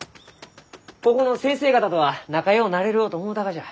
ここの先生方とは仲ようなれるろうと思うたがじゃ。